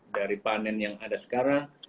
dari panen yang ada sekarang